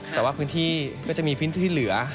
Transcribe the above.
แต่ว่าพื้นที่ก็จะมีพื้นที่เหลือ